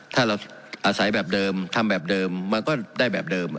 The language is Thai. ถ้าเราอาศัยแบบเดิมทำแบบเดิมมันก็ได้แบบเดิม